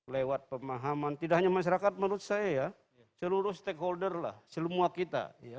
lewat pemahaman tidak hanya masyarakat menurut saya ya seluruh stakeholder lah semua kita